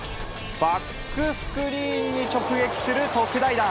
バックスクリーンに直撃する特大弾。